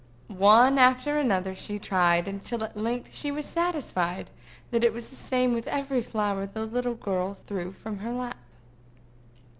One after another she tried, until at length she was satisfied that it was the same with every flower the little girl threw from her lap.